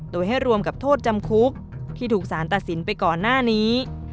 โดยให้รวมกับโทษจำคุกที่ถูกสารตัดสินไปก่อนหน้านี้